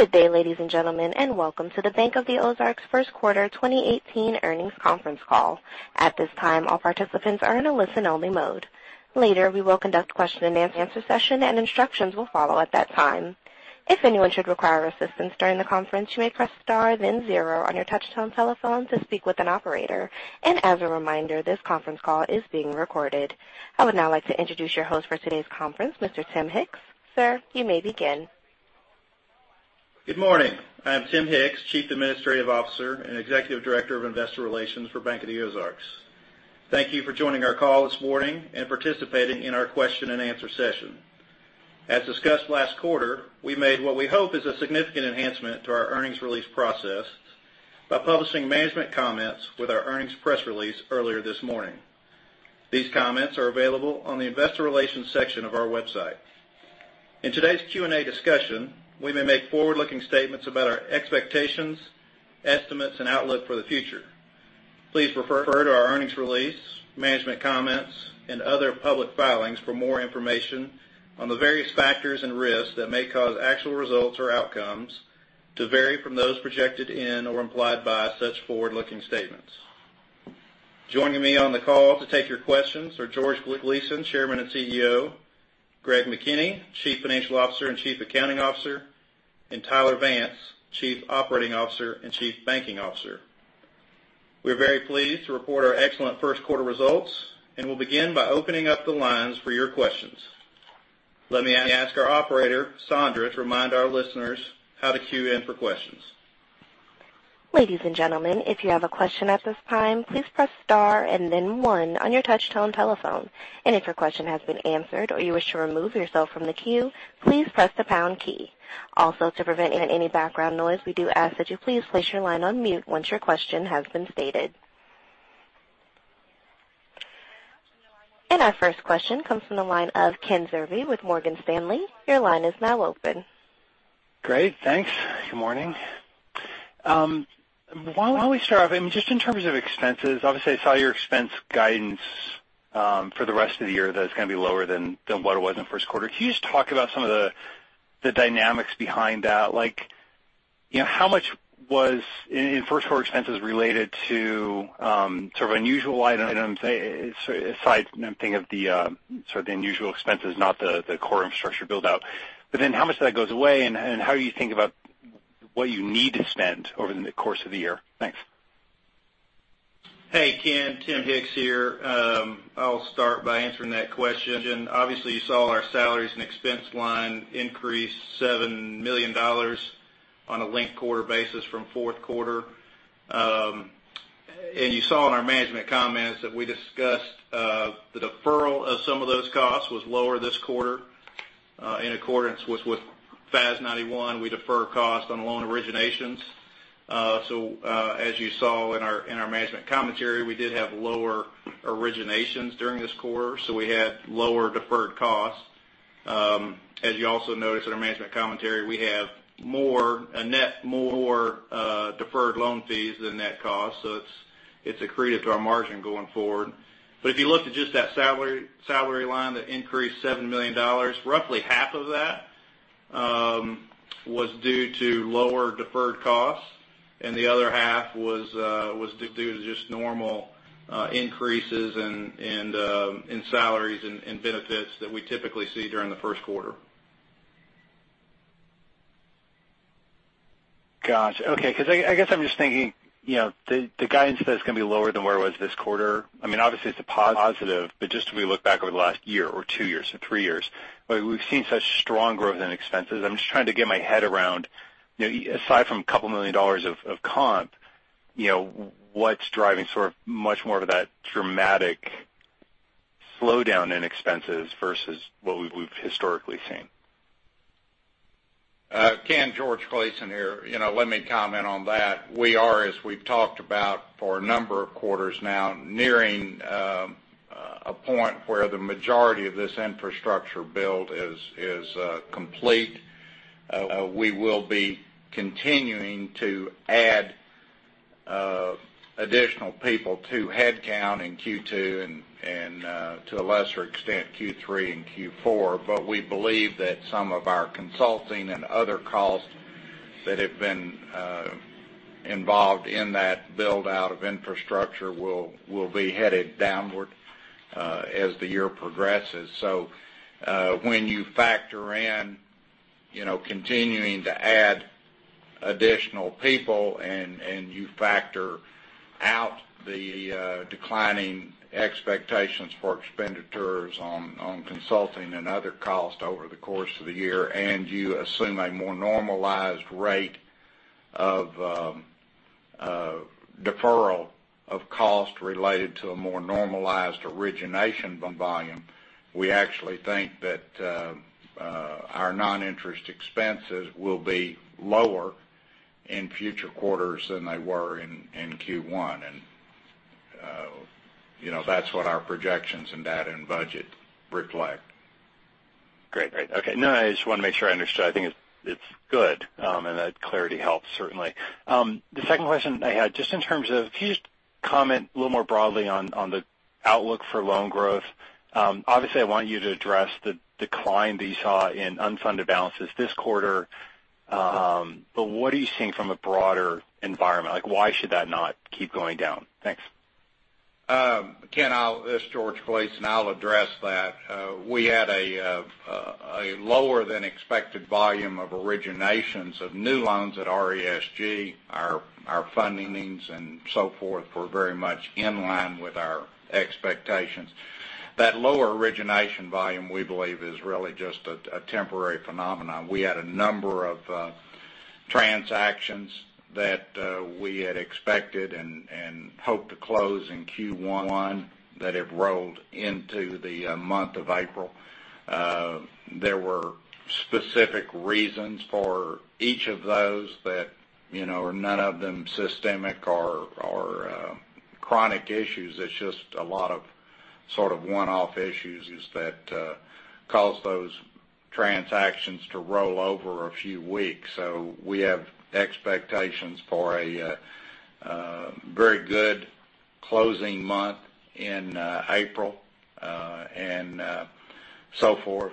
Good day, ladies and gentlemen, and welcome to the Bank of the Ozarks first quarter 2018 earnings conference call. At this time, all participants are in a listen-only mode. Later, we will conduct a question-and-answer session, and instructions will follow at that time. If anyone should require assistance during the conference, you may press star then zero on your touchtone telephone to speak with an operator. As a reminder, this conference call is being recorded. I would now like to introduce your host for today's conference, Mr. Tim Hicks. Sir, you may begin. Good morning. I am Tim Hicks, Chief Administrative Officer and Executive Director of Investor Relations for Bank of the Ozarks. Thank you for joining our call this morning and participating in our question-and-answer session. As discussed last quarter, we made what we hope is a significant enhancement to our earnings release process by publishing management comments with our earnings press release earlier this morning. These comments are available on the investor relations section of our website. In today's Q&A discussion, we may make forward-looking statements about our expectations, estimates, and outlook for the future. Please refer to our earnings release, management comments, and other public filings for more information on the various factors and risks that may cause actual results or outcomes to vary from those projected in or implied by such forward-looking statements. Joining me on the call to take your questions are George Gleason, Chairman and CEO, Greg McKinney, Chief Financial Officer and Chief Accounting Officer, and Tyler Vance, Chief Operating Officer and Chief Banking Officer. We're very pleased to report our excellent first quarter results, and we'll begin by opening up the lines for your questions. Let me ask our operator, Sandra, to remind our listeners how to queue in for questions. Ladies and gentlemen, if you have a question at this time, please press star and then one on your touchtone telephone. If your question has been answered, or you wish to remove yourself from the queue, please press the pound key. Also, to prevent any background noise, we do ask that you please place your line on mute once your question has been stated. Our first question comes from the line of Ken Zerbe with Morgan Stanley. Your line is now open. Great. Thanks. Good morning. Why don't we start off, just in terms of expenses, obviously, I saw your expense guidance for the rest of the year, that it's going to be lower than what it was in the first quarter. Can you just talk about some of the dynamics behind that? How much was in first quarter expenses related to sort of unusual items, aside, I'm thinking of the sort of unusual expenses, not the core infrastructure build-out. How much of that goes away, and how do you think about what you need to spend over the course of the year? Thanks. Hey, Ken. Tim Hicks here. I'll start by answering that question. Obviously, you saw our salaries and expense line increase $7 million on a linked quarter basis from fourth quarter. You saw in our management comments that we discussed the deferral of some of those costs was lower this quarter. In accordance with FAS 91, we defer cost on loan originations. As you saw in our management commentary, we did have lower originations during this quarter, so we had lower deferred costs. As you also noticed in our management commentary, we have a net more deferred loan fees than net costs, so it's accretive to our margin going forward. If you looked at just that salary line that increased $7 million, roughly half of that was due to lower deferred costs, and the other half was due to just normal increases in salaries and benefits that we typically see during the first quarter. Got you. Okay, because I guess I'm just thinking, the guidance that it's going to be lower than where it was this quarter, obviously it's a positive, just if we look back over the last year or two years or three years, we've seen such strong growth in expenses. I'm just trying to get my head around, aside from a couple million dollars of comp, what's driving sort of much more of that dramatic slowdown in expenses versus what we've historically seen? Ken, George Gleason here. Let me comment on that. We are, as we've talked about for a number of quarters now, nearing a point where the majority of this infrastructure build is complete. We will be continuing to add additional people to headcount in Q2 and to a lesser extent Q3 and Q4. We believe that some of our consulting and other costs that have been involved in that build-out of infrastructure will be headed downward as the year progresses. When you factor in continuing to add additional people and you factor out the declining expectations for expenditures on consulting and other costs over the course of the year, and you assume a more normalized rate of deferral of cost related to a more normalized origination volume, we actually think that our non-interest expenses will be lower in future quarters than they were in Q1. That's what our projections and data and budget reflect. Great. Okay. I just wanted to make sure I understood. I think it's good, and that clarity helps certainly. The second question I had, just in terms of, can you just comment a little more broadly on the outlook for loan growth. Obviously, I want you to address the decline that you saw in unfunded balances this quarter, but what are you seeing from a broader environment? Why should that not keep going down? Thanks. Ken, this is George Gleason, and I'll address that. We had a lower than expected volume of originations of new loans at RESG. Our fundings and so forth were very much in line with our expectations. That lower origination volume, we believe, is really just a temporary phenomenon. We had a number of transactions that we had expected and hoped to close in Q1 that have rolled into the month of April. There were specific reasons for each of those that, none of them systemic or chronic issues. It's just a lot of sort of one-off issues that caused those transactions to roll over a few weeks. We have expectations for a very good closing month in April and so forth.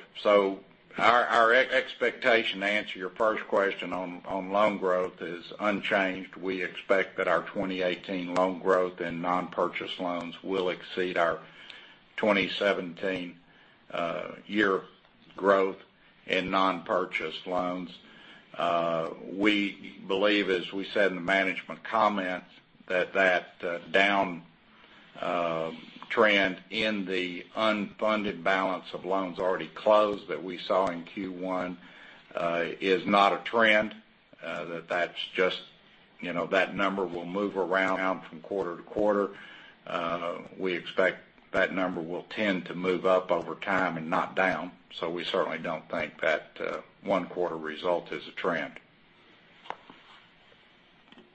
Our expectation, to answer your first question on loan growth, is unchanged. We expect that our 2018 loan growth in non-purchase loans will exceed our 2017 year growth in non-purchase loans. We believe, as we said in the management comments, that down trend in the unfunded balance of loans already closed that we saw in Q1 is not a trend, that number will move around from quarter to quarter. We expect that number will tend to move up over time and not down. We certainly don't think that one quarter result is a trend.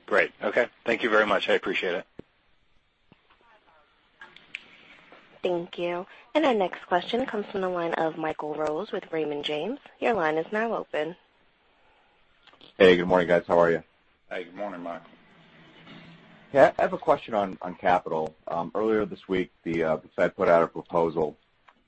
Great. Okay. Thank you very much. I appreciate it. Thank you. Our next question comes from the line of Michael Rose with Raymond James. Your line is now open. Hey, good morning, guys. How are you? Hey, good morning, Michael. Yeah. I have a question on capital. Earlier this week, the Fed put out a proposal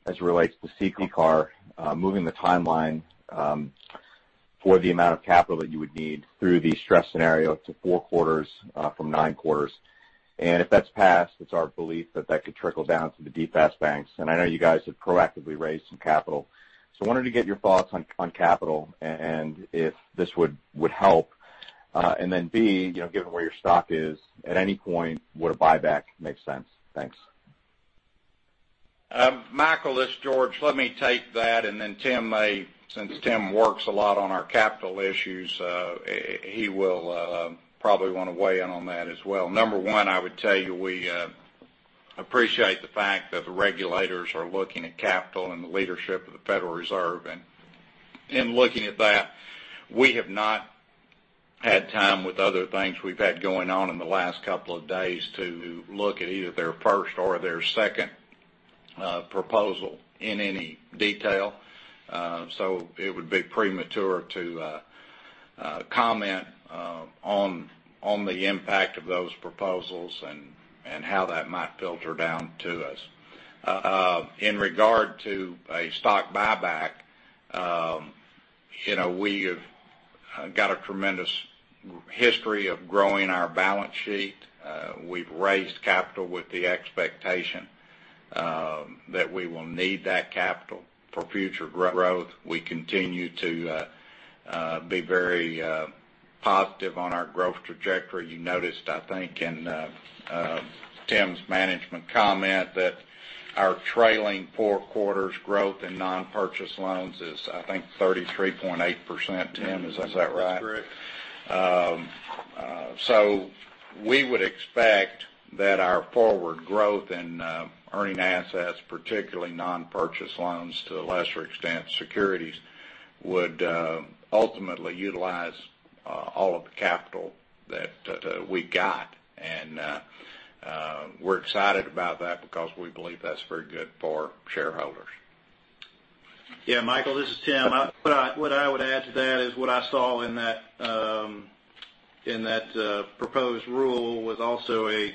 as it relates to CCAR, moving the timeline for the amount of capital that you would need through the stress scenario to four quarters from nine quarters. If that's passed, it's our belief that that could trickle down to the DFAST banks, I know you guys have proactively raised some capital. I wanted to get your thoughts on capital and if this would help. Then B, given where your stock is, at any point, would a buyback make sense? Thanks. Michael, this is George. Let me take that and then Tim may, since Tim works a lot on our capital issues, he will probably want to weigh in on that as well. Number one, I would tell you, we appreciate the fact that the regulators are looking at capital and the leadership of the Federal Reserve. In looking at that, we have not had time with other things we've had going on in the last couple of days to look at either their first or their second proposal in any detail. It would be premature to comment on the impact of those proposals and how that might filter down to us. In regard to a stock buyback, we have got a tremendous history of growing our balance sheet. We've raised capital with the expectation that we will need that capital for future growth. We continue to be very positive on our growth trajectory. You noticed, I think, in Tim's management comment that our trailing four quarters growth in non-purchase loans is, I think, 33.8%, Tim, is that right? That's correct. We would expect that our forward growth in earning assets, particularly non-purchase loans, to a lesser extent, securities, would ultimately utilize all of the capital that we got. We're excited about that because we believe that's very good for shareholders. Yeah, Michael, this is Tim. What I would add to that is what I saw in that proposed rule was also a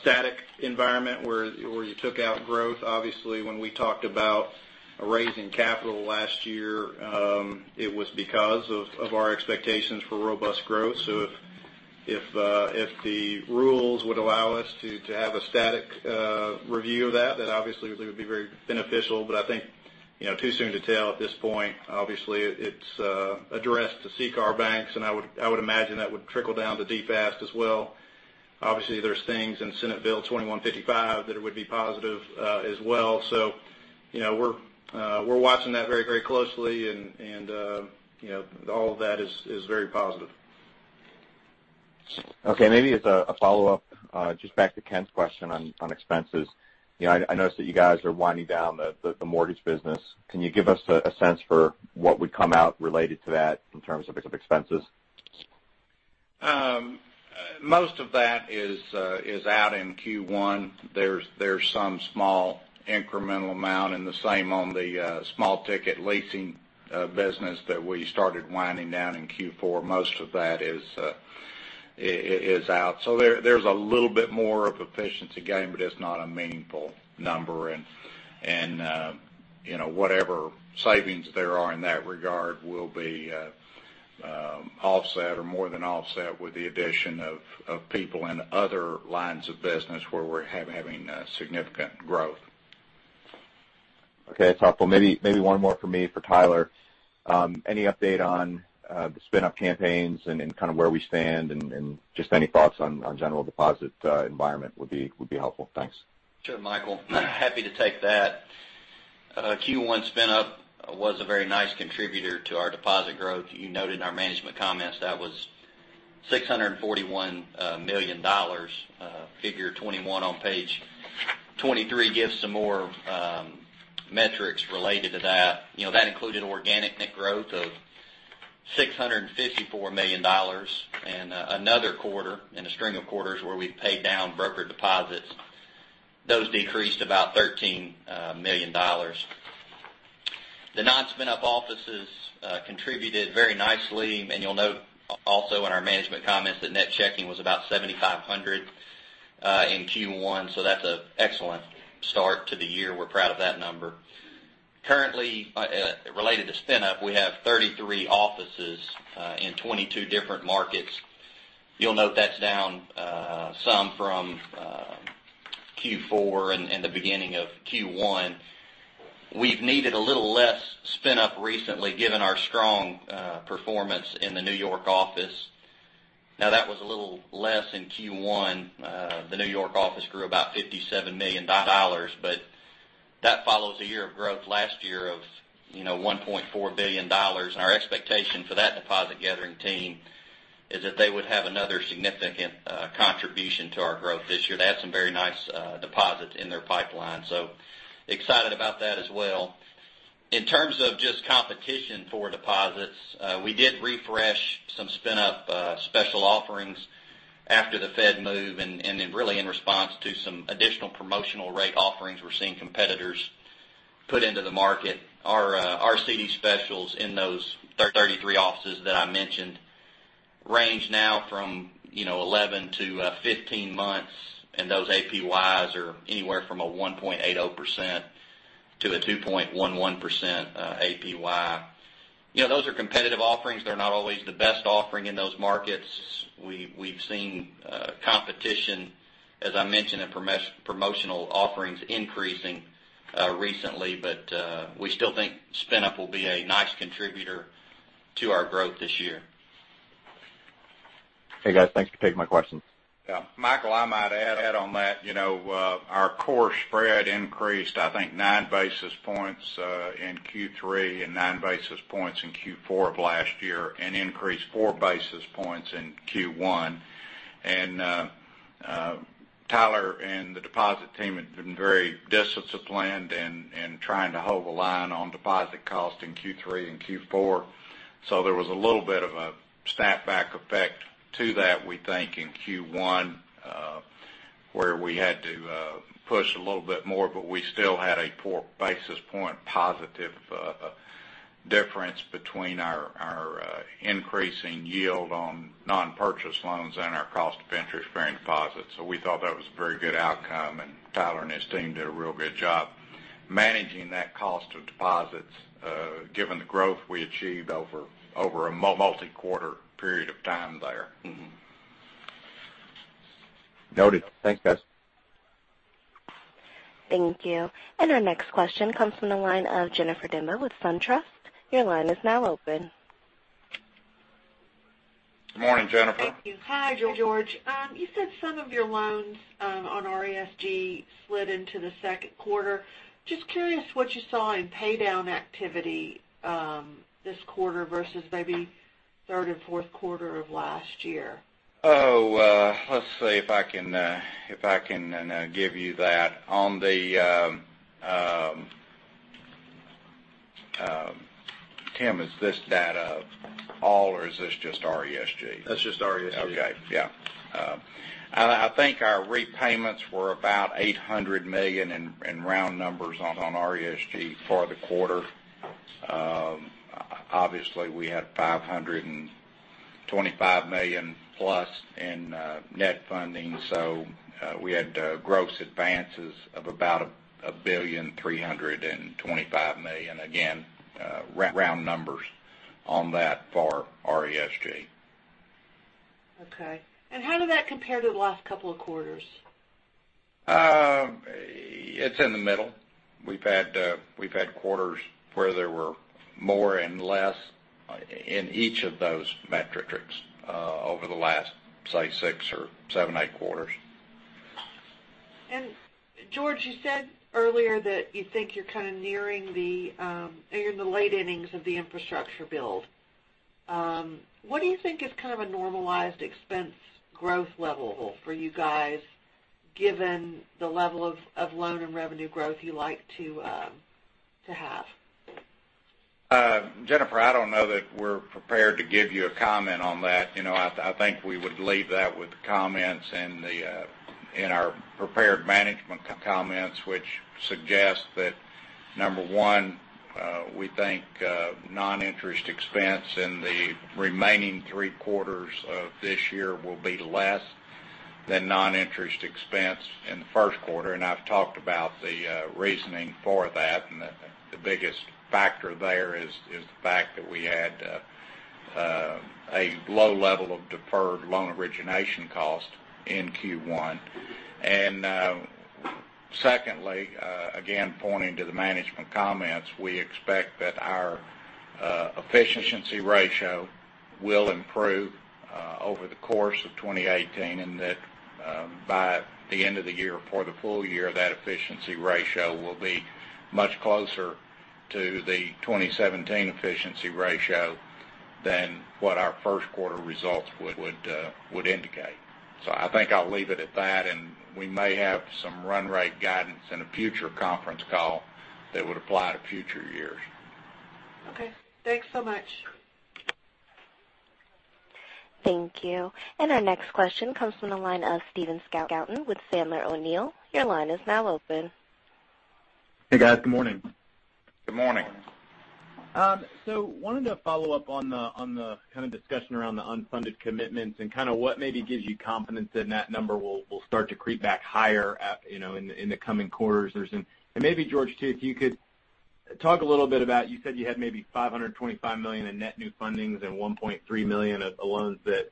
static environment where you took out growth. Obviously, when we talked about raising capital last year, it was because of our expectations for robust growth. If the rules would allow us to have a static review of that obviously would be very beneficial. I think too soon to tell at this point. Obviously, it's addressed to CCAR banks, and I would imagine that would trickle down to DFAST as well. Obviously, there's things in Senate Bill 2155 that would be positive as well. We're watching that very closely and all of that is very positive. Okay. Maybe as a follow-up, just back to Ken's question on expenses. I noticed that you guys are winding down the mortgage business. Can you give us a sense for what would come out related to that in terms of expenses? Most of that is out in Q1. There's some small incremental amount, and the same on the small ticket leasing business that we started winding down in Q4. Most of that is out. There's a little bit more of efficiency gain, but it's not a meaningful number. Whatever savings there are in that regard will be offset or more than offset with the addition of people in other lines of business where we're having significant growth. Okay. That's helpful. Maybe one more from me for Tyler. Any update on the spin-up campaigns and kind of where we stand, and just any thoughts on general deposit environment would be helpful. Thanks. Sure, Michael. Happy to take that. Q1 spin-up was a very nice contributor to our deposit growth. You noted in our management comments that was $641 million. Figure 21 on page 23 gives some more metrics related to that. That included organic net growth of $654 million in another quarter, in a string of quarters where we've paid down broker deposits. Those decreased about $13 million. The non-spin-up offices contributed very nicely. You'll note also in our management comments that net checking was about 7,500 in Q1, so that's an excellent start to the year. We're proud of that number. Currently, related to spin-up, we have 33 offices in 22 different markets. You'll note that's down some from Q4 and the beginning of Q1. We've needed a little less spin-up recently, given our strong performance in the New York office. That was a little less in Q1. The New York office grew about $57 million, but that follows a year of growth last year of $1.4 billion. Our expectation for that deposit gathering team is that they would have another significant contribution to our growth this year. They have some very nice deposits in their pipeline, so excited about that as well. In terms of just competition for deposits, we did refresh some spin-up special offerings after the Fed move, really in response to some additional promotional rate offerings we're seeing competitors put into the market. Our CD specials in those 33 offices that I mentioned range now from 11 to 15 months, and those APYs are anywhere from a 1.80% to a 2.11% APY. Those are competitive offerings. They're not always the best offering in those markets. We've seen competition, as I mentioned, in promotional offerings increasing recently. We still think spin-up will be a nice contributor to our growth this year. Hey, guys, thanks for taking my questions. Yeah. Michael, I might add on that. Our core spread increased, I think, nine basis points in Q3 and nine basis points in Q4 of last year, and increased four basis points in Q1. Tyler and the deposit team have been very disciplined in trying to hold the line on deposit cost in Q3 and Q4. There was a little bit of a snapback effect to that, we think, in Q1, where we had to push a little bit more, but we still had a four basis point positive difference between our increasing yield on non-purchase loans and our cost of interest-bearing deposits. We thought that was a very good outcome, and Tyler and his team did a real good job managing that cost of deposits given the growth we achieved over a multi-quarter period of time there. Noted. Thanks, guys. Thank you. Our next question comes from the line of Jennifer Demba with SunTrust. Your line is now open. Good morning, Jennifer. Thank you. Hi, George. You said some of your loans on RESG slid into the second quarter. Just curious what you saw in paydown activity this quarter versus maybe third and fourth quarter of last year. Let's see if I can give you that. Tim, is this data all, or is this just RESG? That's just RESG. Okay. Yeah. I think our repayments were about $800 million in round numbers on RESG for the quarter. Obviously, we had $525 million-plus in net funding. We had gross advances of about $1.325 billion. Again, round numbers on that for RESG. Okay. How did that compare to the last couple of quarters? It's in the middle. We've had quarters where there were more and less in each of those metrics over the last, say, six or seven, eight quarters. George, you said earlier that you think you're kind of nearing, you're in the late innings of the infrastructure build. What do you think is kind of a normalized expense growth level for you guys, given the level of loan and revenue growth you like to have? Jennifer, I don't know that we're prepared to give you a comment on that. I think we would leave that with the comments in our prepared management comments, which suggest that Number 1, we think non-interest expense in the remaining three quarters of this year will be less than non-interest expense in the first quarter, and I've talked about the reasoning for that, and the biggest factor there is the fact that we had a low level of deferred loan origination cost in Q1. Secondly, again, pointing to the management comments, we expect that our efficiency ratio will improve over the course of 2018, and that by the end of the year, for the full year, that efficiency ratio will be much closer to the 2017 efficiency ratio than what our first quarter results would indicate. I think I'll leave it at that, and we may have some run rate guidance in a future conference call that would apply to future years. Okay. Thanks so much. Thank you. Our next question comes from the line of Stephen Scouten with Sandler O'Neill. Your line is now open. Hey, guys. Good morning. Good morning. Wanted to follow up on the kind of discussion around the unfunded commitments and kind of what maybe gives you confidence that that number will start to creep back higher in the coming quarters. Maybe, George, too, if you could talk a little bit about, you said you had maybe $525 million in net new fundings and $1.3 billion of loans that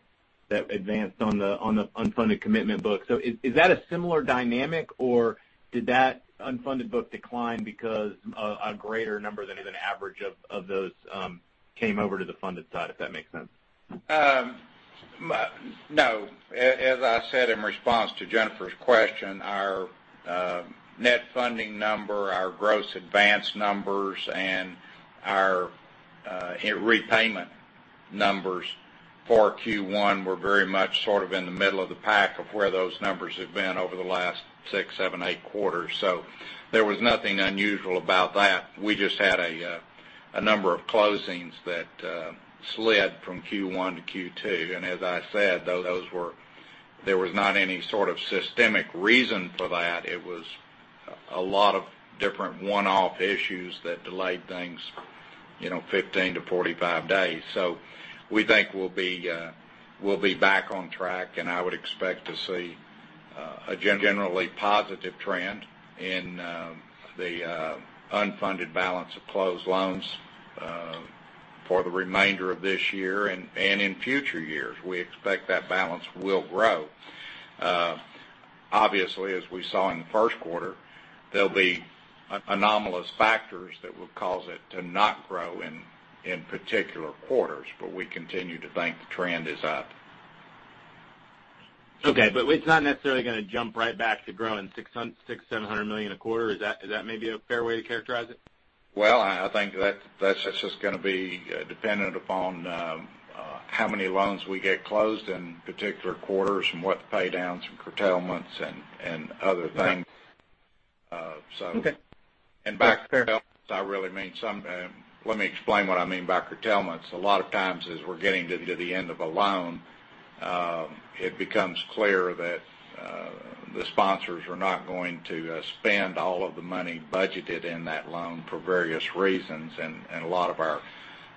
advanced on the unfunded commitment book. Is that a similar dynamic, or did that unfunded book decline because a greater number than an average of those came over to the funded side, if that makes sense? No. As I said in response to Jennifer's question, our net funding number, our gross advance numbers, and our repayment numbers for Q1 were very much sort of in the middle of the pack of where those numbers have been over the last six, seven, eight quarters. There was nothing unusual about that. We just had a number of closings that slid from Q1 to Q2. As I said, there was not any sort of systemic reason for that. It was a lot of different one-off issues that delayed things 15 to 45 days. We think we'll be back on track, and I would expect to see a generally positive trend in the unfunded balance of closed loans for the remainder of this year and in future years. We expect that balance will grow. Obviously, as we saw in the first quarter, there'll be anomalous factors that will cause it to not grow in particular quarters, we continue to think the trend is up. Okay, it's not necessarily going to jump right back to growing $600 million, $700 million a quarter. Is that maybe a fair way to characterize it? Well, I think that's just going to be dependent upon how many loans we get closed in particular quarters and what pay downs and curtailments and other things. Okay. By curtailments, let me explain what I mean by curtailments. A lot of times, as we're getting to the end of a loan, it becomes clear that the sponsors are not going to spend all of the money budgeted in that loan for various reasons, and a lot of our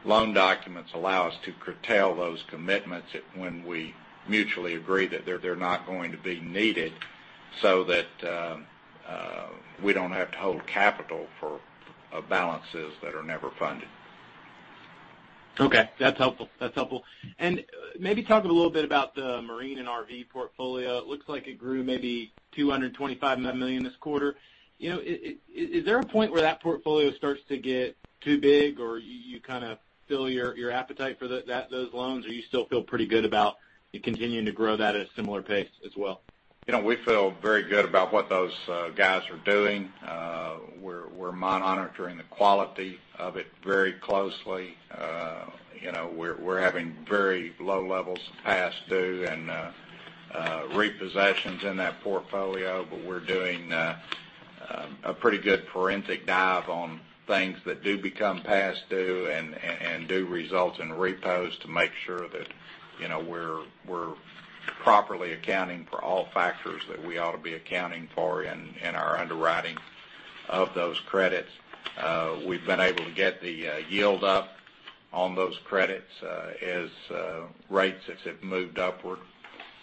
loan documents allow us to curtail those commitments when we mutually agree that they're not going to be needed so that we don't have to hold capital for balances that are never funded. Okay. That's helpful. Maybe talk a little bit about the marine and RV portfolio. It looks like it grew maybe $225 million this quarter. Is there a point where that portfolio starts to get too big, or you kind of fill your appetite for those loans, or you still feel pretty good about continuing to grow that at a similar pace as well? We feel very good about what those guys are doing. We're monitoring the quality of it very closely. We're having very low levels of past due and repossessions in that portfolio, but we're doing a pretty good forensic dive on things that do become past due and do result in repos to make sure that we're properly accounting for all factors that we ought to be accounting for in our underwriting of those credits. We've been able to get the yield up on those credits as rates have moved upward.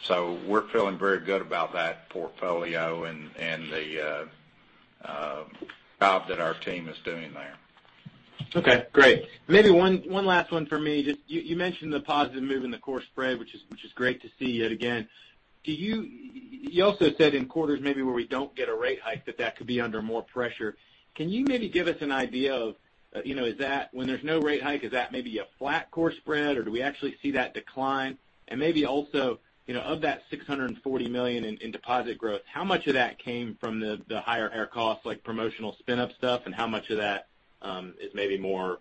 We're feeling very good about that portfolio and the job that our team is doing there. Okay, great. Maybe one last one for me. You mentioned the positive move in the core spread, which is great to see yet again. You also said in quarters maybe where we don't get a rate hike, that that could be under more pressure. Can you maybe give us an idea of, when there's no rate hike, is that maybe a flat core spread, or do we actually see that decline? Maybe also, of that $640 million in deposit growth, how much of that came from the higher air costs, like promotional spin up stuff, and how much of that is maybe more,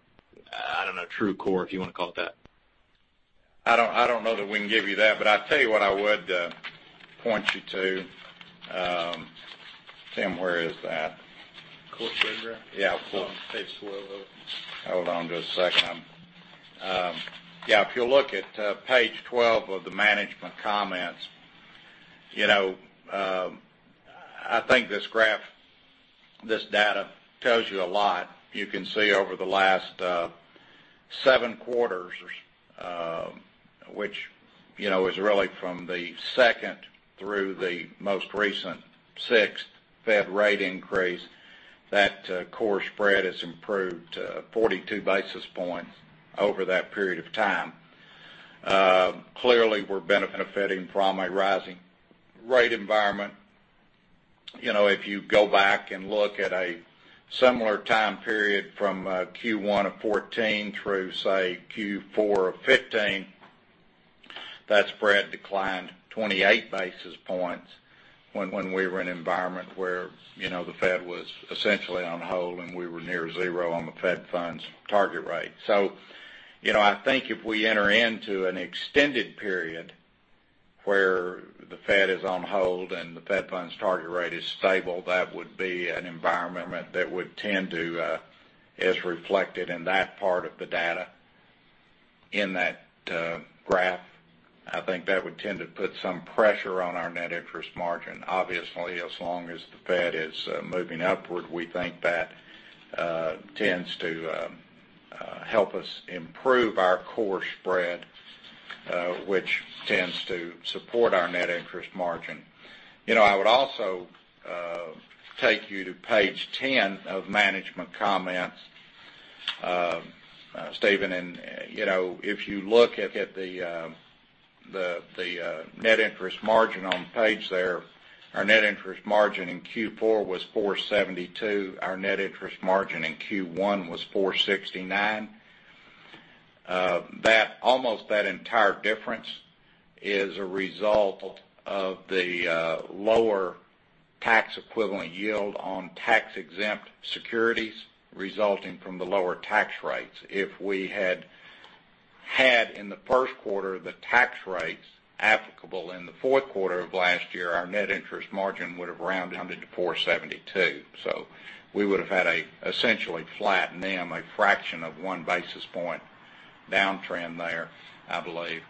I don't know, true core, if you want to call it that? I don't know that we can give you that. I tell you what I would point you to. Tim, where is that? Core spread graph? Yeah, core. Page 12 of- Hold on just a second. If you look at page 12 of the management comments I think this graph, this data tells you a lot. You can see over the last seven quarters, which is really from the second through the most recent sixth Fed rate increase, that core spread has improved 42 basis points over that period of time. Clearly, we're benefiting from a rising rate environment. If you go back and look at a similar time period from Q1 of 2014 through, say, Q4 of 2015, that spread declined 28 basis points when we were in an environment where the Fed was essentially on hold, and we were near zero on the fed funds target rate. I think if we enter into an extended period where the Fed is on hold and the fed funds target rate is stable, that would be an environment that would tend to, as reflected in that part of the data in that graph, I think that would tend to put some pressure on our net interest margin. Obviously, as long as the Fed is moving upward, we think that tends to help us improve our core spread, which tends to support our net interest margin. I would also take you to page 10 of management comments, Stephen, if you look at the net interest margin on the page there, our net interest margin in Q4 was 472. Our net interest margin in Q1 was 469. Almost that entire difference is a result of the lower tax equivalent yield on tax exempt securities resulting from the lower tax rates. If we had in the first quarter, the tax rates applicable in the fourth quarter of last year, our net interest margin would have rounded to 472. We would have had essentially flat NIM, a fraction of one basis point downtrend there, I believe.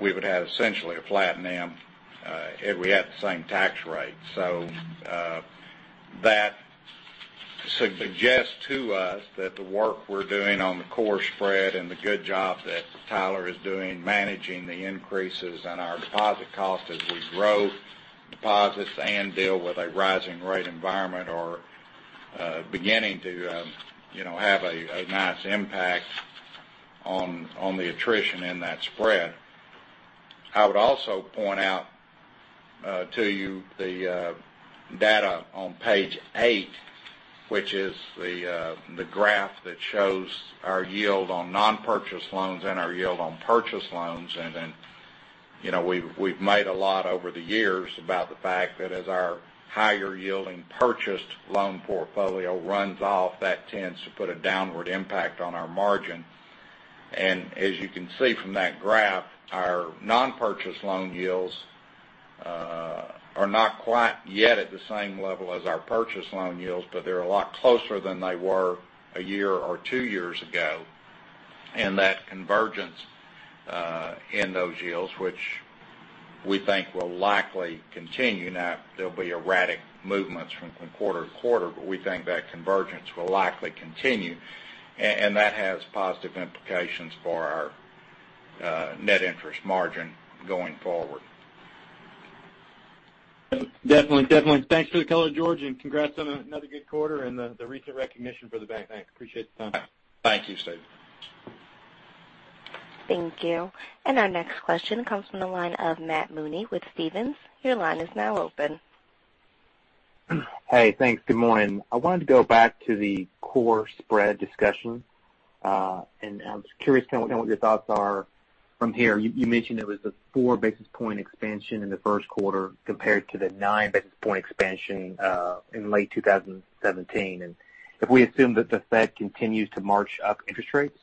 We would have essentially a flat NIM had we had the same tax rate. That suggests to us that the work we're doing on the core spread and the good job that Tyler is doing managing the increases in our deposit cost as we grow deposits and deal with a rising rate environment are beginning to have a nice impact on the attrition in that spread. I would also point out to you the data on page eight, which is the graph that shows our yield on non-purchase loans and our yield on purchase loans. We've made a lot over the years about the fact that as our higher yielding purchased loan portfolio runs off, that tends to put a downward impact on our margin. As you can see from that graph, our non-purchase loan yields are not quite yet at the same level as our purchase loan yields, but they're a lot closer than they were a year or two years ago. That convergence in those yields, which we think will likely continue. Now, there'll be erratic movements from quarter to quarter, but we think that convergence will likely continue, and that has positive implications for our net interest margin going forward. Definitely. Thanks for the color, George, and congrats on another good quarter and the recent recognition for the bank. I appreciate the time. Thank you, Stephen. Thank you. Our next question comes from the line of Matt Olney with Stephens. Your line is now open. Hey, thanks. Good morning. I wanted to go back to the core spread discussion. I was curious to know what your thoughts are from here. You mentioned it was a four basis point expansion in the first quarter compared to the nine basis point expansion in late 2017. If we assume that the Fed continues to march up interest rates,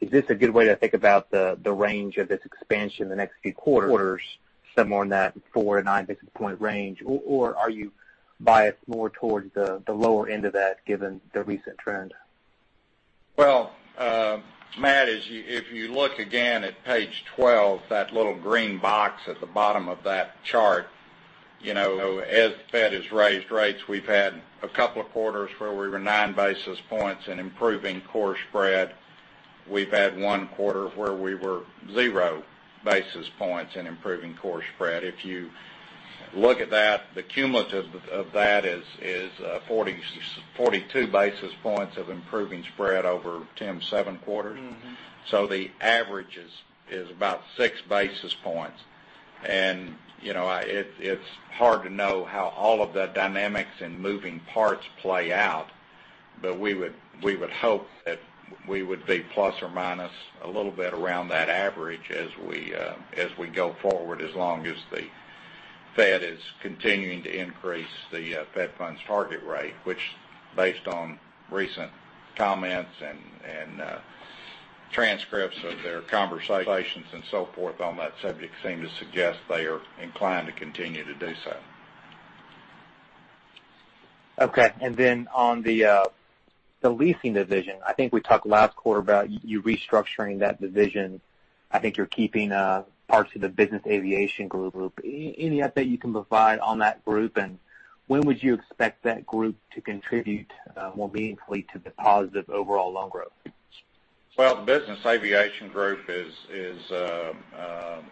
is this a good way to think about the range of this expansion in the next few quarters, somewhere in that four to nine basis point range? Or are you biased more towards the lower end of that given the recent trend? Well, Matt, if you look again at page 12, that little green box at the bottom of that chart. As the Fed has raised rates, we've had a couple of quarters where we were nine basis points in improving core spread. We've had one quarter where we were zero basis points in improving core spread. If you look at that, the cumulative of that is 42 basis points of improving spread over, Tim, seven quarters. The average is about six basis points. It's hard to know how all of the dynamics and moving parts play out, but we would hope that we would be plus or minus a little bit around that average as we go forward, as long as the Fed is continuing to increase the fed funds target rate, which based on recent comments and transcripts of their conversations and so forth on that subject, seem to suggest they are inclined to continue to do so. Okay. On the leasing division, I think we talked last quarter about you restructuring that division. I think you're keeping parts of the Business Aviation Group. Any update you can provide on that group, and when would you expect that group to contribute more meaningfully to the positive overall loan growth? Well, the Business Aviation Group has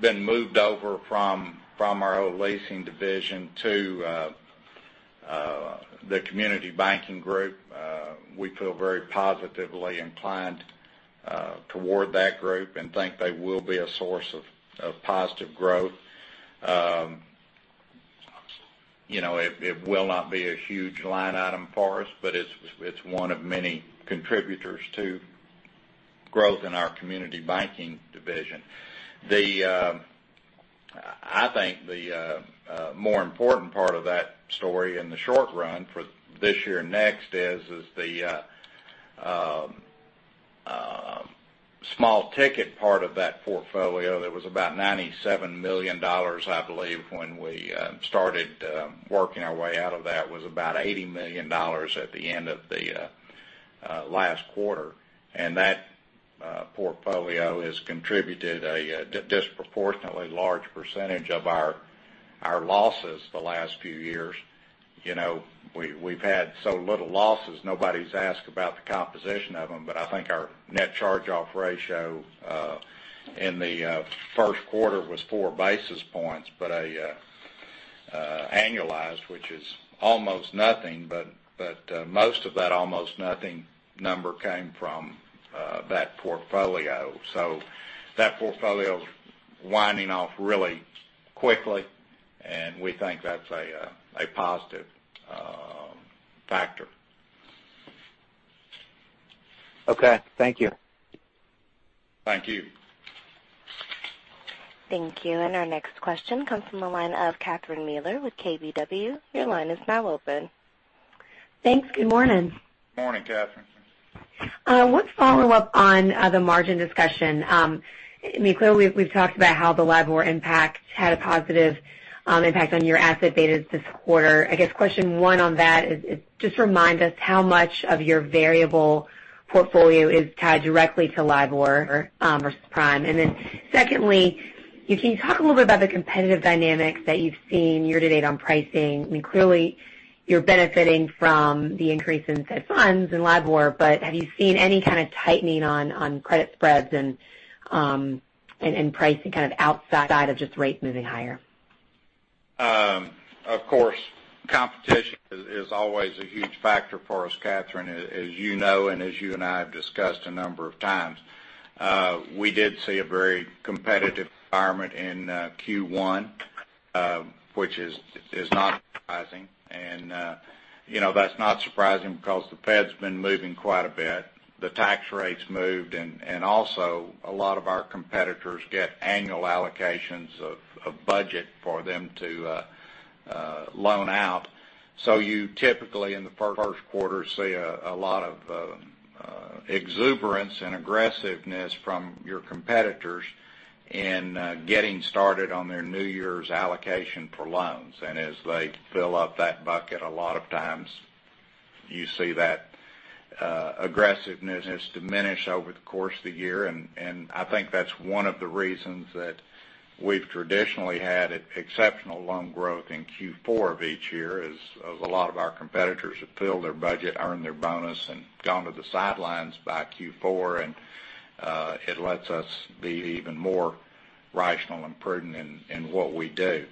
been moved over from our old leasing division to the Community Banking Group. We feel very positively inclined toward that group and think they will be a source of positive growth. It will not be a huge line item for us, but it's one of many contributors to growth in our Community Banking Division. I think the more important part of that story in the short run for this year and next is the small ticket part of that portfolio that was about $97 million, I believe, when we started working our way out of that, was about $80 million at the end of the last quarter. That portfolio has contributed a disproportionately large percentage of our losses the last few years. We've had so little losses, nobody's asked about the composition of them. I think our net charge-off ratio in the first quarter was four basis points, but annualized, which is almost nothing, but most of that almost nothing number came from that portfolio. That portfolio's winding off really quickly, and we think that's a positive factor. Okay. Thank you. Thank you. Thank you. Our next question comes from the line of Catherine Mealor with KBW. Your line is now open. Thanks. Good morning. Morning, Catherine. Want to follow up on the margin discussion. I mean, clearly, we've talked about how the LIBOR impact had a positive impact on your asset betas this quarter. I guess question one on that is, just remind us how much of your variable portfolio is tied directly to LIBOR versus prime. Secondly, can you talk a little bit about the competitive dynamics that you've seen year-to-date on pricing? I mean, clearly you're benefiting from the increase in Fed funds and LIBOR, but have you seen any kind of tightening on credit spreads and pricing kind of outside of just rates moving higher? Of course, competition is always a huge factor for us, Catherine, as you know, and as you and I have discussed a number of times. We did see a very competitive environment in Q1, which is not surprising. That's not surprising because the Fed's been moving quite a bit. The tax rate's moved, and also, a lot of our competitors get annual allocations of budget for them to loan out. You typically, in the first quarter, see a lot of exuberance and aggressiveness from your competitors in getting started on their new year's allocation for loans. As they fill up that bucket, a lot of times you see that aggressiveness diminish over the course of the year, and I think that's one of the reasons that we've traditionally had exceptional loan growth in Q4 of each year, as a lot of our competitors have filled their budget, earned their bonus, and gone to the sidelines by Q4. It lets us be even more rational and prudent in what we do.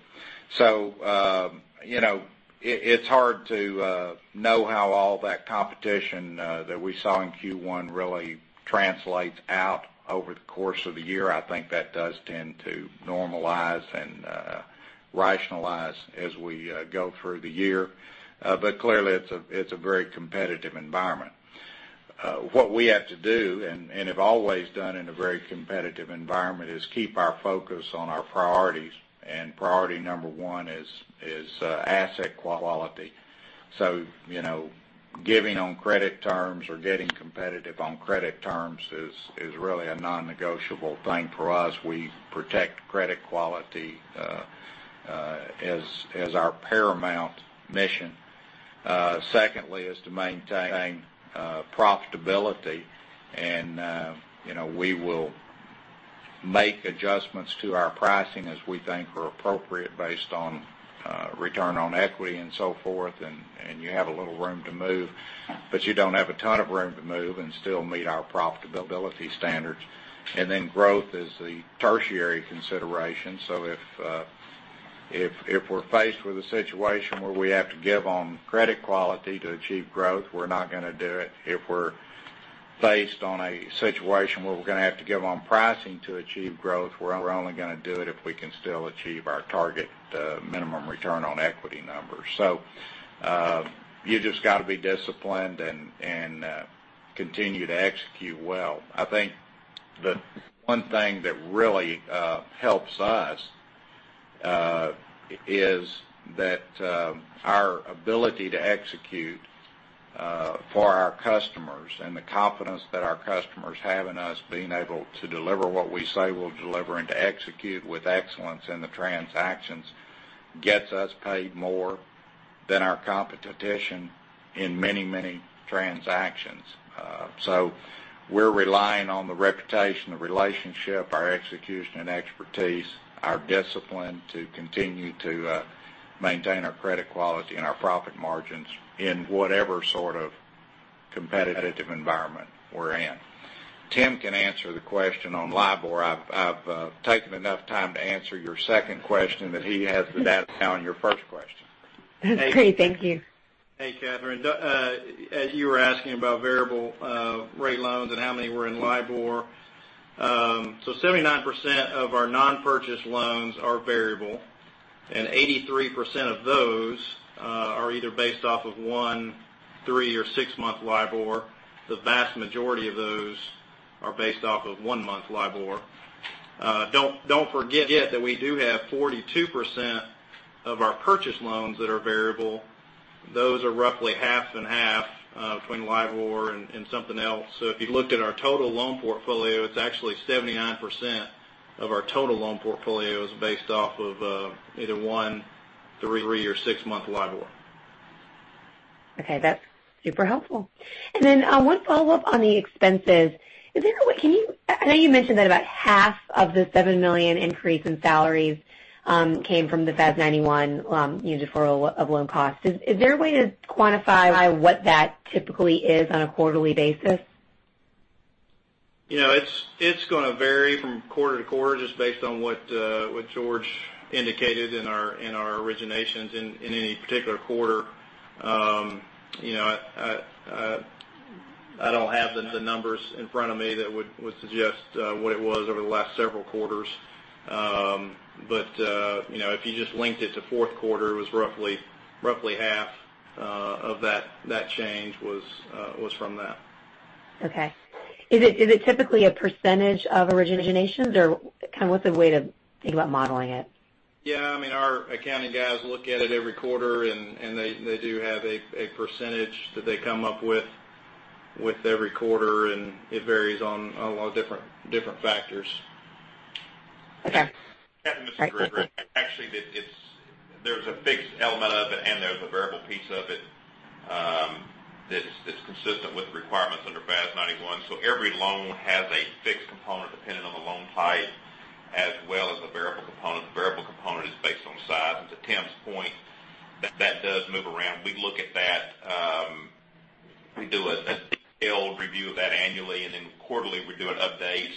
It's hard to know how all that competition that we saw in Q1 really translates out over the course of the year. I think that does tend to normalize and rationalize as we go through the year. Clearly, it's a very competitive environment. What we have to do, and have always done in a very competitive environment, is keep our focus on our priorities. Priority number one is asset quality. Giving on credit terms or getting competitive on credit terms is really a non-negotiable thing for us. We protect credit quality as our paramount mission. Secondly is to maintain profitability, and we will make adjustments to our pricing as we think are appropriate based on return on equity and so forth, and you have a little room to move, but you don't have a ton of room to move and still meet our profitability standards. Growth is the tertiary consideration. If we're faced with a situation where we have to give on credit quality to achieve growth, we're not going to do it. If we're faced on a situation where we're going to have to give on pricing to achieve growth, we're only going to do it if we can still achieve our target minimum return on equity numbers. You just got to be disciplined and continue to execute well. I think the one thing that really helps us is that our ability to execute for our customers and the confidence that our customers have in us being able to deliver what we say we'll deliver and to execute with excellence in the transactions, gets us paid more than our competition in many, many transactions. We're relying on the reputation, the relationship, our execution and expertise, our discipline to continue to maintain our credit quality and our profit margins in whatever sort of competitive environment we're in. Tim can answer the question on LIBOR. I've taken enough time to answer your second question that he has the data on your first question. That's great. Thank you. Hey, Catherine. You were asking about variable rate loans and how many were in LIBOR. 79% of our non-purchase loans are variable, and 83% of those are either based off of one, three, or six-month LIBOR. The vast majority of those are based off of one-month LIBOR. Don't forget that we do have 42% of our purchase loans that are variable. Those are roughly half and half between LIBOR and something else. If you looked at our total loan portfolio, it's actually 79% of our total loan portfolio is based off of either one, three, or six-month LIBOR. Okay, that's super helpful. One follow-up on the expenses. I know you mentioned that about half of the $7 million increase in salaries came from the FAS 91 deferral of loan costs. Is there a way to quantify what that typically is on a quarterly basis? It's going to vary from quarter to quarter just based on what George indicated in our originations in any particular quarter. I don't have the numbers in front of me that would suggest what it was over the last several quarters. If you just linked it to fourth quarter, it was roughly half of that change was from that. Okay. Is it typically a percentage of originations, or what's a way to think about modeling it? Yeah. Our accounting guys look at it every quarter, and they do have a percentage that they come up with every quarter, and it varies on a lot of different factors. Okay. Catherine, this is George. Actually, there's a fixed element of it and there's a variable piece of it that's consistent with the requirements under FAS 91. Every loan has a fixed component depending on the loan type as well as a variable component. The variable component is based on size. To Tim's point, that does move around. We look at that. We do a detailed review of that annually, and then quarterly, we're doing updates.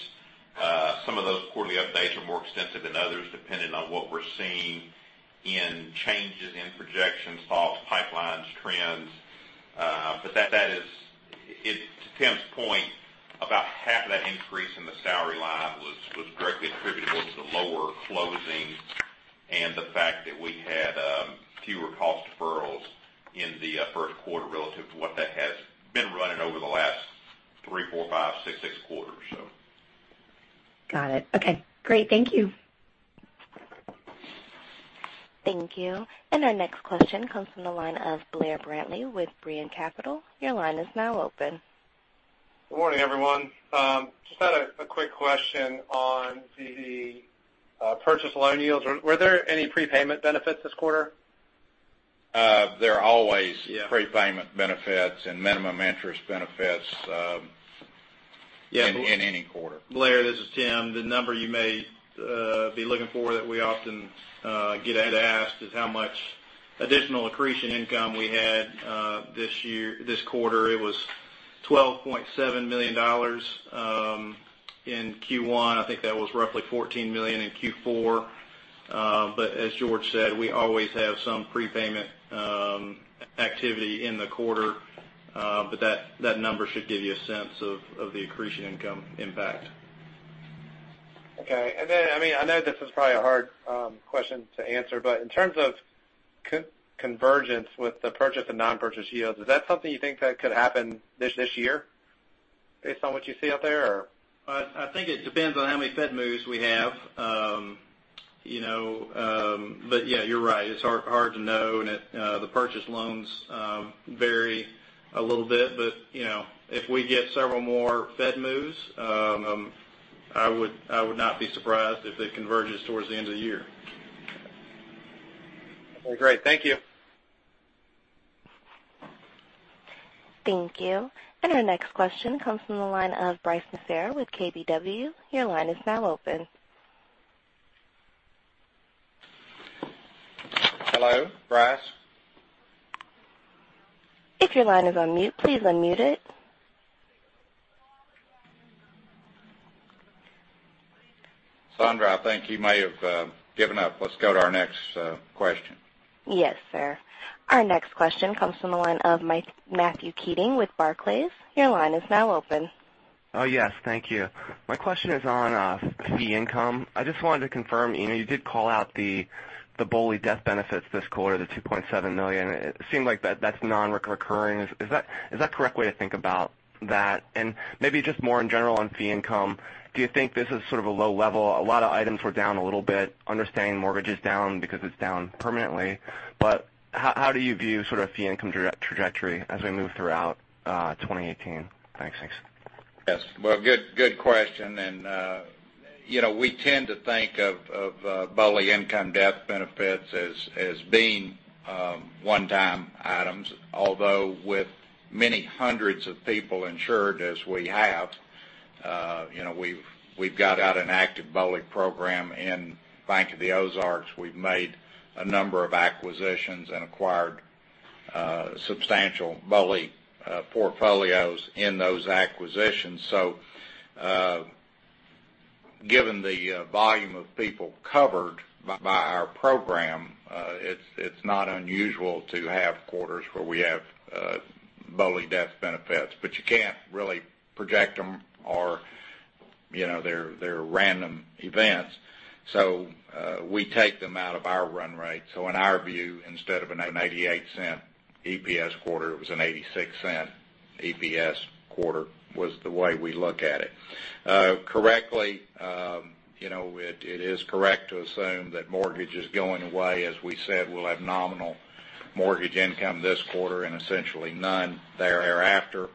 Some of those quarterly updates are more extensive than others, depending on what we're seeing in changes in projections, defaults, pipelines, trends. To Tim's point, about half of that increase in the salary line item was directly attributable to the lower closing and the fact that we had fewer cost deferrals in the first quarter relative to what that has been running over the last three, four, five, six quarters. Got it. Okay, great. Thank you. Thank you. Our next question comes from the line of Blair Brantley with Brean Capital. Your line is now open. Good morning, everyone. Just had a quick question on the purchase loan yields. Were there any prepayment benefits this quarter? There are always prepayment benefits and minimum interest benefits in any quarter. Blair, this is Tim. The number you may be looking for that we often get asked is how much additional accretion income we had this quarter. It was $12.7 million in Q1. I think that was roughly $14 million in Q4. As George said, we always have some prepayment activity in the quarter. That number should give you a sense of the accretion income impact. Okay. I know this is probably a hard question to answer, but in terms of convergence with the purchase and non-purchase yields, is that something you think that could happen this year based on what you see out there, or? I think it depends on how many Fed moves we have. Yeah, you're right. It's hard to know, and the purchase loans vary a little bit. If we get several more Fed moves, I would not be surprised if it converges towards the end of the year. Okay, great. Thank you. Thank you. Our next question comes from the line of Bryce McCair with KBW. Your line is now open. Hello, Bryce? If your line is on mute, please unmute it. Sandra, I think he may have given up. Let's go to our next question. Yes, sir. Our next question comes from the line of Matthew Keating with Barclays. Your line is now open. Yes. Thank you. My question is on fee income. I just wanted to confirm, you did call out the BOLI debt benefits this quarter, the $2.7 million. It seemed like that's non-recurring. Is that a correct way to think about that? Maybe just more in general on fee income, do you think this is sort of a low level? A lot of items were down a little bit. Understanding mortgage is down because it's down permanently, but how do you view sort of fee income trajectory as we move throughout 2018? Thanks. Yes. Well, good question. We tend to think of BOLI income death benefits as being one-time items. Although with many hundreds of people insured, as we have, we've got out an active BOLI program in Bank of the Ozarks. We've made a number of acquisitions and acquired substantial BOLI portfolios in those acquisitions. Given the volume of people covered by our program, it's not unusual to have quarters where we have BOLI death benefits. You can't really project them or they're random events, so we take them out of our run rate. In our view, instead of an $0.88 EPS quarter, it was an $0.86 EPS quarter, was the way we look at it. Correctly. It is correct to assume that mortgage is going away. As we said, we'll have nominal mortgage income this quarter and essentially none thereafter.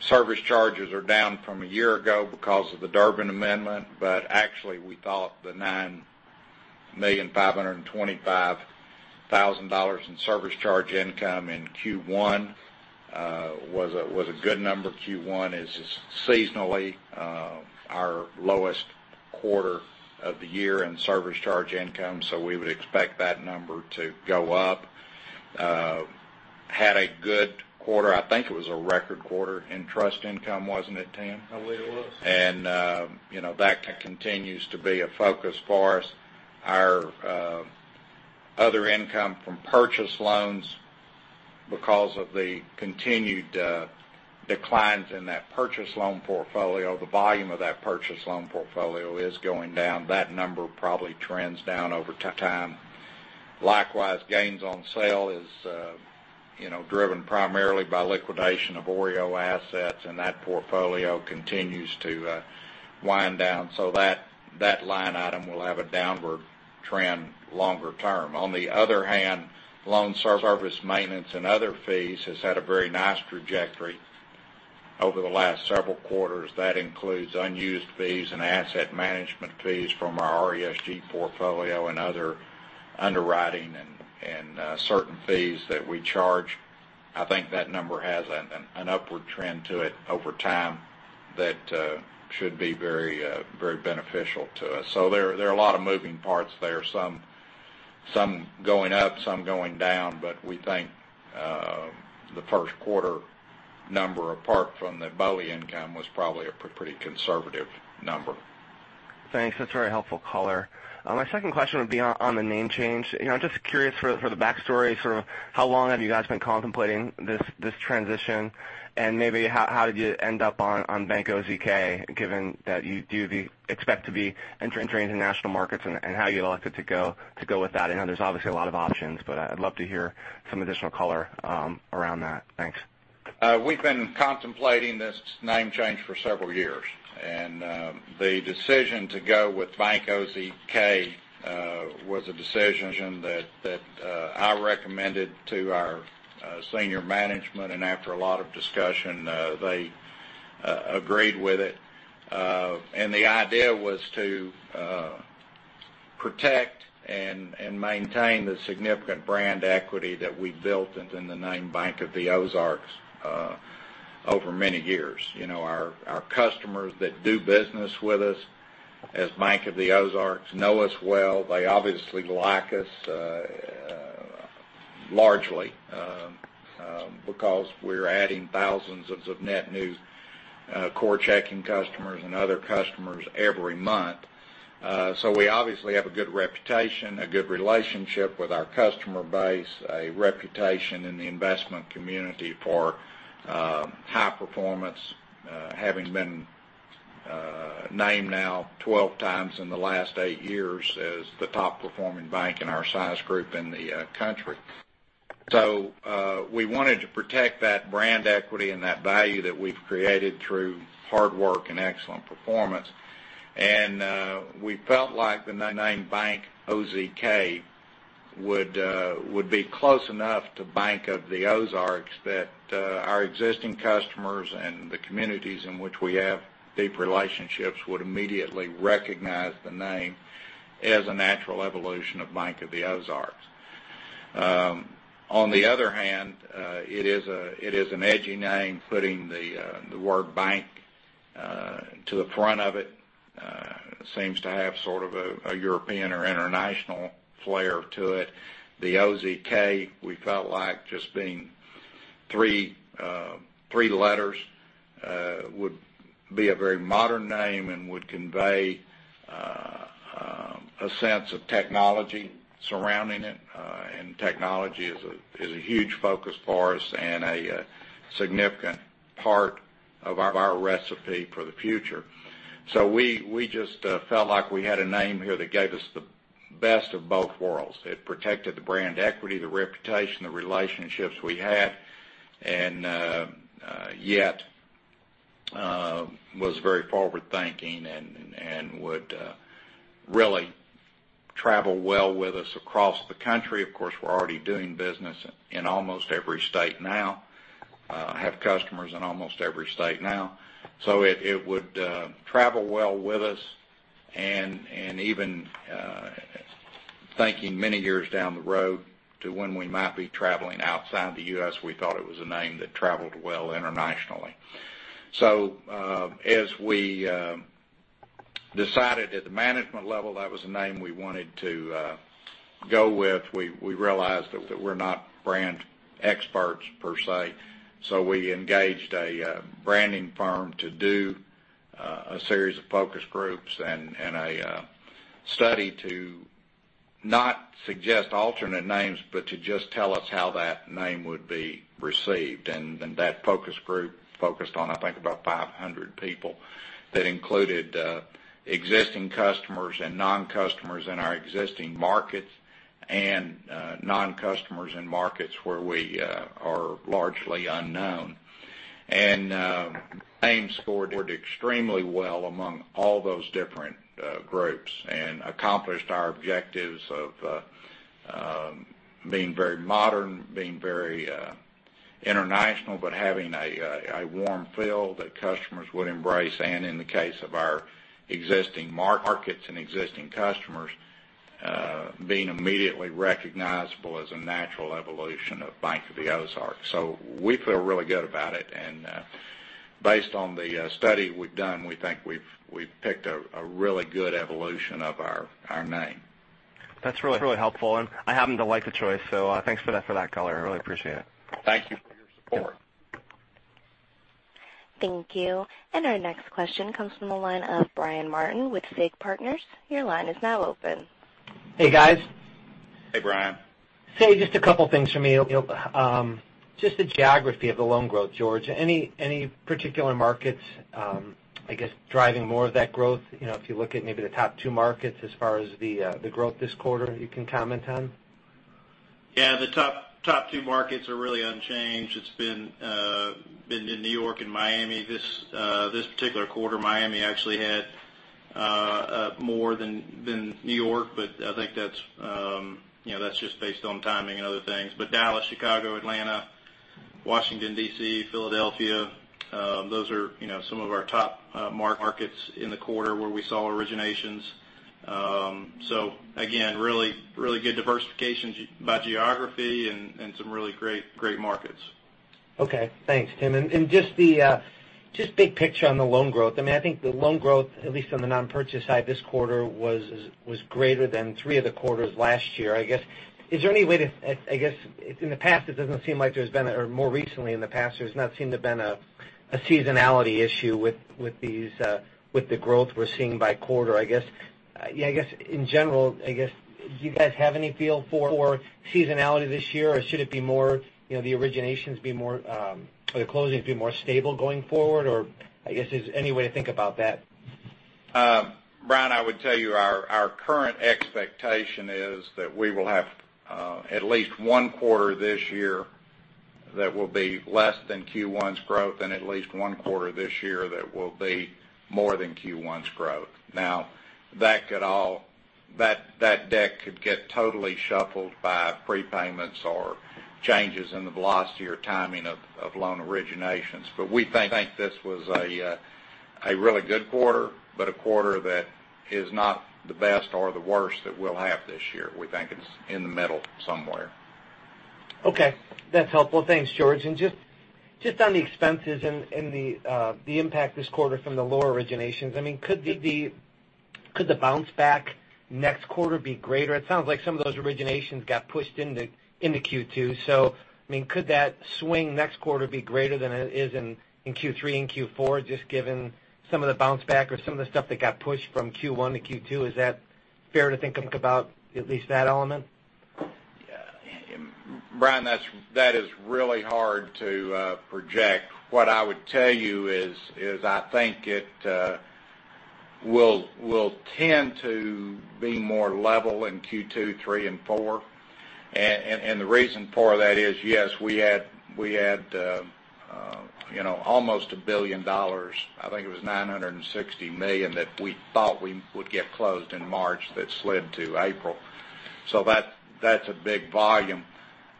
Service charges are down from a year ago because of the Durbin Amendment. Actually, we thought the $9,525,000 in service charge income in Q1 was a good number. Q1 is, seasonally, our lowest quarter of the year in service charge income. We would expect that number to go up. Had a good quarter. I think it was a record quarter in trust income, wasn't it, Tim? I believe it was. That continues to be a focus for us. Our other income from purchase loans, because of the continued declines in that purchase loan portfolio, the volume of that purchase loan portfolio is going down. That number probably trends down over time. Likewise, gains on sale is driven primarily by liquidation of OREO assets. That portfolio continues to wind down. That line item will have a downward trend longer term. On the other hand, loan service, maintenance, and other fees has had a very nice trajectory over the last several quarters. That includes unused fees and asset management fees from our RESG portfolio and other underwriting and certain fees that we charge. I think that number has an upward trend to it over time that should be very beneficial to us. There are a lot of moving parts there, some going up, some going down. We think the first quarter number, apart from the BOLI income, was probably a pretty conservative number. Thanks. That's a very helpful color. My second question would be on the name change. Just curious for the backstory, how long have you guys been contemplating this transition, and maybe how did you end up on Bank OZK, given that you do expect to be entering into national markets, and how you elected to go with that? I know there's obviously a lot of options, I'd love to hear some additional color around that. Thanks. We've been contemplating this name change for several years. The decision to go with Bank OZK was a decision that I recommended to our senior management, and after a lot of discussion, they agreed with it. The idea was to protect and maintain the significant brand equity that we built within the name Bank of the Ozarks over many years. Our customers that do business with us as Bank of the Ozarks know us well. They obviously like us, largely because we're adding thousands of net new core checking customers and other customers every month. We obviously have a good reputation, a good relationship with our customer base, a reputation in the investment community for high performance, having been named now 12 times in the last eight years as the top performing bank in our size group in the country. We wanted to protect that brand equity and that value that we've created through hard work and excellent performance. We felt like the name Bank OZK would be close enough to Bank of the Ozarks that our existing customers and the communities in which we have deep relationships would immediately recognize the name as a natural evolution of Bank of the Ozarks. On the other hand, it is an edgy name. Putting the word bank to the front of it seems to have sort of a European or international flair to it. The OZK, we felt like just being three letters would be a very modern name and would convey a sense of technology surrounding it, and technology is a huge focus for us and a significant part of our recipe for the future. We just felt like we had a name here that gave us the best of both worlds. It protected the brand equity, the reputation, the relationships we had, and yet was very forward-thinking and would really travel well with us across the country. Of course, we're already doing business in almost every state now. Have customers in almost every state now. It would travel well with us and even thinking many years down the road to when we might be traveling outside the U.S., we thought it was a name that traveled well internationally. As we decided at the management level, that was a name we wanted to go with. We realized that we're not brand experts per se, so we engaged a branding firm to do a series of focus groups and a study to not suggest alternate names, but to just tell us how that name would be received. That focus group focused on, I think, about 500 people that included existing customers and non-customers in our existing markets and non-customers in markets where we are largely unknown. The name scored extremely well among all those different groups and accomplished our objectives of being very modern, being very international, but having a warm feel that customers would embrace, and in the case of our existing markets and existing customers, being immediately recognizable as a natural evolution of Bank of the Ozarks. We feel really good about it, and based on the study we've done, we think we've picked a really good evolution of our name. That's really helpful, I happen to like the choice, thanks for that, Color. I really appreciate it. Thank you for your support. Thank you. Our next question comes from the line of Brian Martin with FIG Partners. Your line is now open. Hey, guys. Hey, Brian. Say just a couple things from me. Just the geography of the loan growth, George, any particular markets, I guess, driving more of that growth, if you look at maybe the top two markets as far as the growth this quarter, you can comment on? The top two markets are really unchanged. It's been New York and Miami. This particular quarter, Miami actually had more than New York, but I think that's just based on timing and other things. Dallas, Chicago, Atlanta, Washington, D.C., Philadelphia, those are some of our top markets in the quarter where we saw originations. Again, really good diversification by geography and some really great markets. Okay. Thanks, Tim. Just big picture on the loan growth. I think the loan growth, at least on the non-purchase side this quarter, was greater than three of the quarters last year. I guess, in the past, it doesn't seem like there's been more recently, in the past, there's not seemed to have been a seasonality issue with the growth we're seeing by quarter. I guess, in general, do you guys have any feel for seasonality this year, or should it be more, the originations be more, or the closings be more stable going forward? I guess, is there any way to think about that? Brian, I would tell you our current expectation is that we will have at least one quarter this year that will be less than Q1's growth and at least one quarter this year that will be more than Q1's growth. That deck could get totally shuffled by prepayments or changes in the velocity or timing of loan originations. We think this was a really good quarter, but a quarter that is not the best or the worst that we'll have this year. We think it's in the middle somewhere. Okay. That's helpful. Thanks, George. Just on the expenses and the impact this quarter from the lower originations, could the bounce back next quarter be greater? It sounds like some of those originations got pushed into Q2. Could that swing next quarter be greater than it is in Q3 and Q4, just given some of the bounce back or some of the stuff that got pushed from Q1 to Q2? Is that fair to think about at least that element? Yeah. Brian, that is really hard to project. What I would tell you is, I think it will tend to be more level in Q2, Q3, and Q4. The reason for that is, yes, we had almost $1 billion, I think it was $960 million, that we thought we would get closed in March that slid to April. That's a big volume.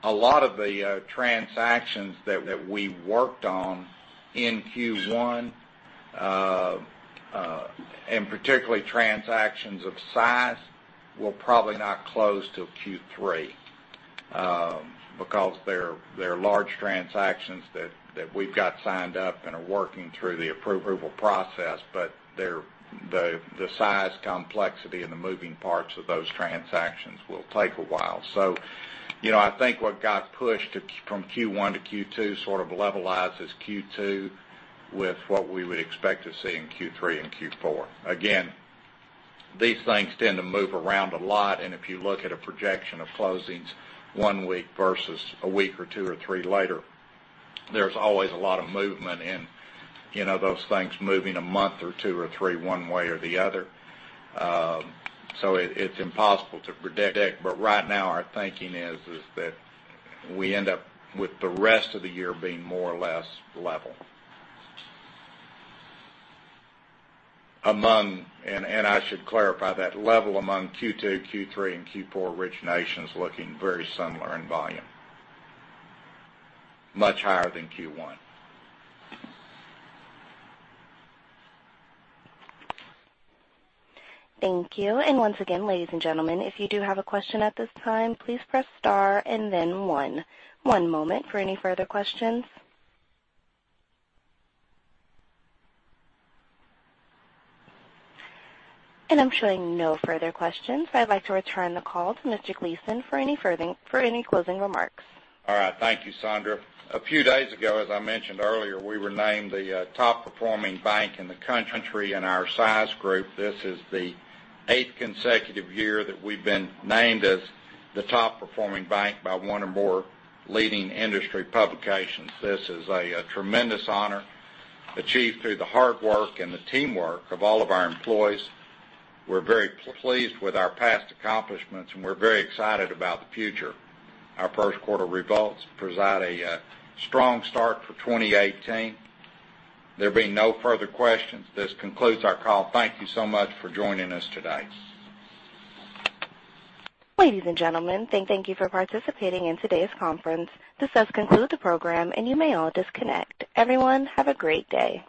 A lot of the transactions that we worked on in Q1, and particularly transactions of size, will probably not close till Q3, because they're large transactions that we've got signed up and are working through the approval process, but the size, complexity, and the moving parts of those transactions will take a while. I think what got pushed from Q1 to Q2 sort of levelizes Q2 with what we would expect to see in Q3 and Q4. Again, these things tend to move around a lot, and if you look at a projection of closings one week versus a week or two or three later, there's always a lot of movement in those things moving a month or two or three, one way or the other. It's impossible to predict, but right now, our thinking is that we end up with the rest of the year being more or less level. I should clarify that, level among Q2, Q3, and Q4 originations looking very similar in volume. Much higher than Q1. Thank you. Once again, ladies and gentlemen, if you do have a question at this time, please press star and then one. One moment for any further questions. I'm showing no further questions. I'd like to return the call to Mr. Gleason for any closing remarks. All right. Thank you, Sandra. A few days ago, as I mentioned earlier, we were named the top performing bank in the country in our size group. This is the eighth consecutive year that we've been named as the top performing bank by one or more leading industry publications. This is a tremendous honor achieved through the hard work and the teamwork of all of our employees. We're very pleased with our past accomplishments, and we're very excited about the future. Our first quarter results provide a strong start for 2018. There being no further questions, this concludes our call. Thank you so much for joining us today. Ladies and gentlemen, thank you for participating in today's conference. This does conclude the program, and you may all disconnect. Everyone, have a great day.